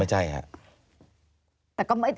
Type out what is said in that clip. ไม่ใช่ครับ